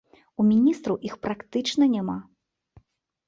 У міністраў іх практычна няма.